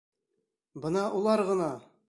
Бына улар ғына!...